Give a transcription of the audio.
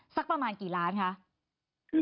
สักประมาณกี่ล้านคะ